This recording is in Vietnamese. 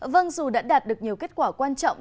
vâng dù đã đạt được nhiều kết quả quan trọng